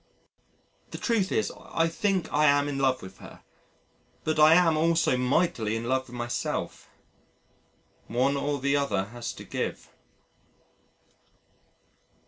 The truth is I think I am in love with her: but I am also mightily in love with myself. One or the other has to give.